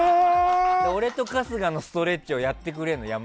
俺と、春日のストレッチをやってくれるの。